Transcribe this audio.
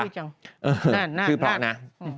ชื่อพละนะ